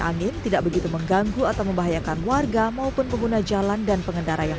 angin tidak begitu mengganggu atau membahayakan warga maupun pengguna jalan dan pengendara yang